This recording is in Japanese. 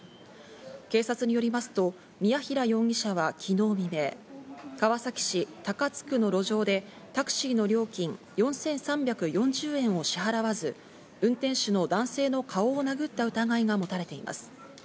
警察によりますとミヤヒラ容疑者は昨日未明、川崎市高津区の路上でタクシーの料金４３４０円を支払わず、運転手の男性の顔を殴った疑いがもたれています。